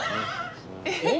えっ？